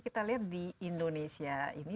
kita lihat di indonesia ini